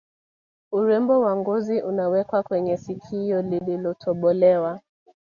Urembo wa ngozi unawekwa kwenye sikio lilotobolewa